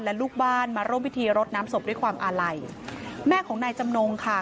และลูกบ้านมาร่วมพิธีรดน้ำศพด้วยความอาลัยแม่ของนายจำนงค่ะ